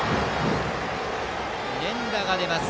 連打が出ます。